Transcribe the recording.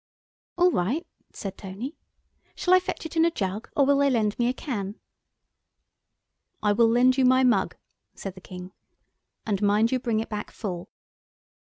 "All right," said Tony; "shall I fetch it in a jug, or will they lend me a can?" "I will lend you my mug," said the King; "and mind you bring it back full."